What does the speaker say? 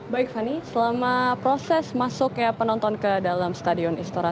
baik fani selama proses masuknya penonton ke dalam stadion istora